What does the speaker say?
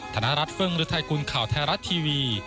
ธนรัฐฟึงหรือไทยกุลข่าวแทรรัฐทีวี